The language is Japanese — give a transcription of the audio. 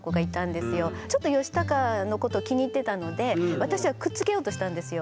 ちょっとヨシタカのこと気に入ってたので私はくっつけようとしたんですよ。